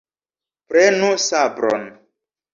Prenu sabron!